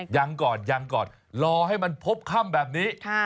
ยังก่อนยังก่อนรอให้มันพบค่ำแบบนี้